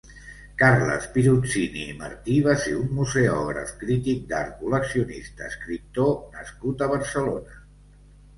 Carles Pirozzini i Martí va ser un museògraf, crític d'art, col·leccionista, escriptor nascut a Barcelona.